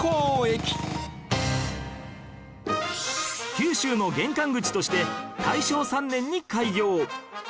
九州の玄関口として大正３年に開業